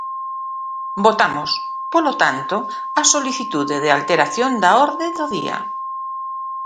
Votamos, polo tanto, a solicitude de alteración da orde do día.